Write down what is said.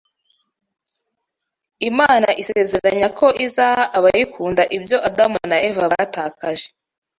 Imana isezeranya ko izaha abayikunda ibyo Adamu na Eva batakaje